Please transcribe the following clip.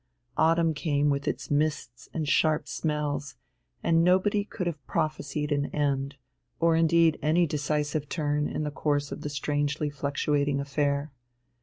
Autumn came with its mists and sharp smells and nobody could have prophesied an end, or indeed any decisive turn in the course of the strangely fluctuating affair.